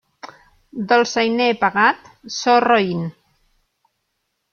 Dolçainer pagat, so roín.